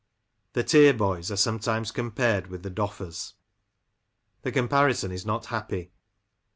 The "Tier boys" are sometimes compared with the Doffers. The comparison is not happy.